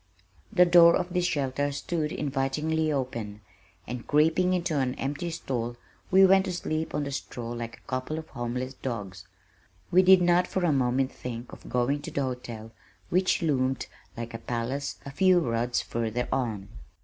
The door of this shelter stood invitingly open, and creeping into an empty stall we went to sleep on the straw like a couple of homeless dogs. We did not for a moment think of going to the hotel which loomed like a palace a few rods further on.